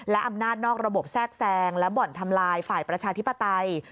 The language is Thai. และอำนาจนอกระบบแทรกแซงและบ่อนทำลายฝ่ายประชาธิปไตย